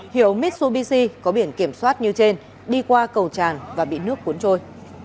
hiệu mitsubishi có biển kiểm soát như trên đi qua cầu tràn và bị nước cuốn trôi